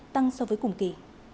tăng so với cùng kỳ